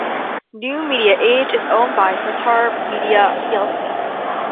New Media Age is owned by Centaur Media plc.